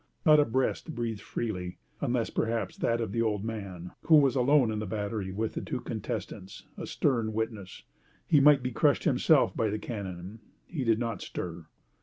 Not a breast breathed freely, unless perhaps that of the old man, who was alone in the battery with the two contestants, a stern witness. He might be crushed himself by the cannon. He did not stir.